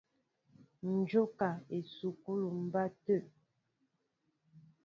Ǹ jóka esukúlu mbáá tê.